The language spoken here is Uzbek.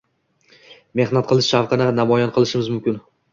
Mehnat qilish shavqini namoyon qilishimiz mumkin